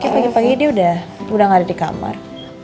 pagi pagi dia udah gak ada di kamar